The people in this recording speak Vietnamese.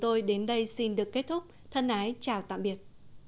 tôi đến đây xin được kết thúc thân ái chào tạm biệt